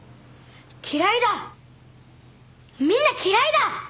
嫌いだみんな嫌いだ！